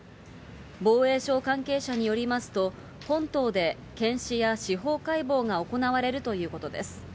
防衛省関係者によりますと、本島で検視や司法解剖が行われるということです。